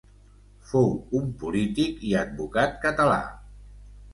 Fou un polític i advocat català.